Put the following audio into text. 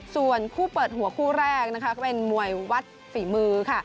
ส่วนคู่เปิดหัวคู่แรกก็เป็นมวยวัดฝีมือ